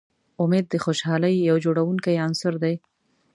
امید د خوشحالۍ یو جوړوونکی عنصر دی.